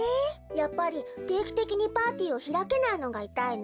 やっぱりていきてきにパーティーをひらけないのがいたいな。